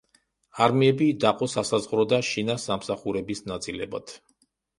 არმიები დაყო სასაზღვრო და შინა სამსახურების ნაწილებად.